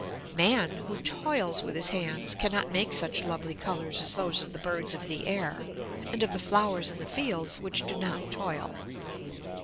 Man, who toils with his hands, cannot make such lovely colors as those of the birds of the air, and of the flowers in the fields, which do not toil.